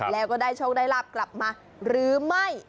แล้วก็ได้โชคได้ลาบกลับมาหรือไม่